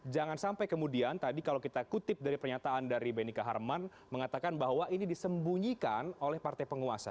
jangan sampai kemudian tadi kalau kita kutip dari pernyataan dari benny kaharman mengatakan bahwa ini disembunyikan oleh partai penguasa